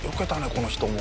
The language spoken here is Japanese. この人も。